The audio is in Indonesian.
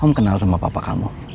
kamu kenal sama papa kamu